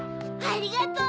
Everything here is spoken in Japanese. ありがとう！